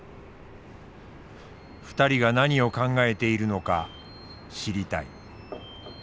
２人が何を考えているのか知りたい。